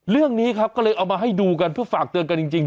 เรื่องนี้ครับก็เลยเอามาให้ดูกันเพื่อฝากเตือนกันจริง